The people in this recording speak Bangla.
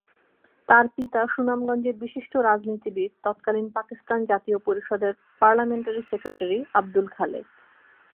তার পিতা সুনামগঞ্জের বিশিষ্ট রাজনীতিবিদ তৎকালীন পাকিস্তান জাতীয় পরিষদের পার্লামেন্টারি সেক্রেটারি আবদুল খালেক।